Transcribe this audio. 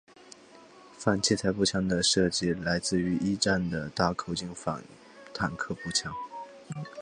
反器材步枪的设计来自一战的大口径反坦克步枪。